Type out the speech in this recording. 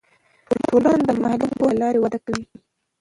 ټولنه د مالي پوهې له لارې وده کوي.